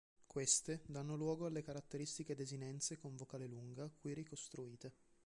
Queste danno luogo alle caratteristiche desinenze con vocale lunga qui ricostruite.